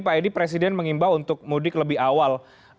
pak edi presiden mengimbau untuk mudik lebih awal